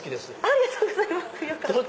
ありがとうございます。